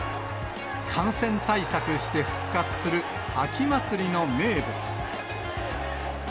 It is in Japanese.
感染対策して復活する秋祭りの名物。